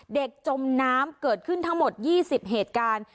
เด็กจมน้ำเกิดขึ้นทั้งหมดยี่สิบเหตุการณ์